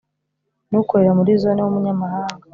n ukorera muri Zone w umunyamahanga